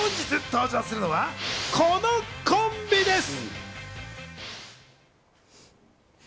本日登場するのはこのコンビです。